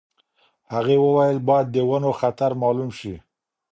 هغې وویل باید د ونو خطر مالوم شي.